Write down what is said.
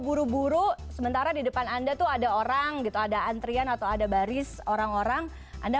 buru buru sementara di depan anda tuh ada orang gitu ada antrian atau ada baris orang orang anda